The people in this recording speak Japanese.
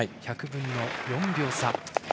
１００分の４秒差。